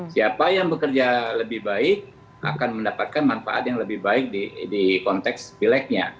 siapa yang bekerja lebih baik akan mendapatkan manfaat yang lebih baik di konteks pilegnya